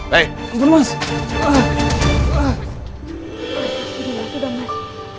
mas ini masuk dong mas